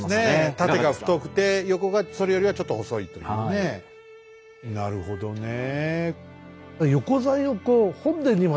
縦が太くて横がそれよりはちょっと細いというねなるほどねえ。